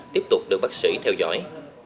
tiếp tục được bác sĩ theo dõi